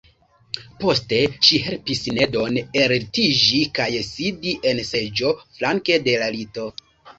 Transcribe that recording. Poste ŝi helpis Nedon ellitiĝi kaj sidi en seĝo flanke de la lito.